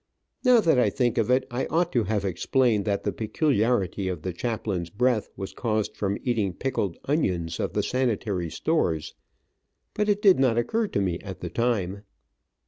Now that I think of it I ought to have explained that the peculiarity of the chaplain's breath was caused from eating pickled onions of the sanitary stores, but it did not occur to me at the time.